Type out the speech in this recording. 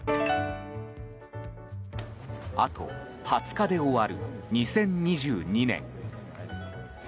あと２０日で終わる２０２２年。